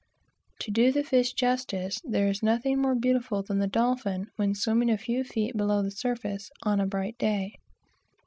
To do the fish justice, there is nothing more beautiful than the dolphin when swimming a few feet below the surface, on a bright day.